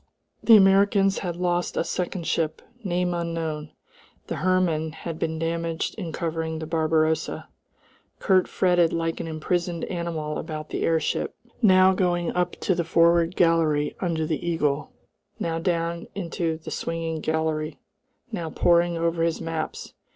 The Americans had lost a second ship, name unknown; the Hermann had been damaged in covering the Barbarossa.... Kurt fretted like an imprisoned animal about the airship, now going up to the forward gallery under the eagle, now down into the swinging gallery, now poring over his maps.